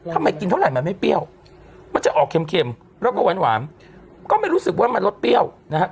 ทำไมกินเท่าไหร่มันไม่เปรี้ยวมันจะออกเค็มแล้วก็หวานก็ไม่รู้สึกว่ามันรสเปรี้ยวนะฮะ